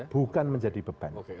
bukan menjadi beban